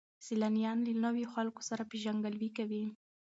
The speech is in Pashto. سیلانیان له نویو خلکو سره پیژندګلوي کوي.